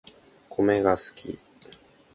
コメが好き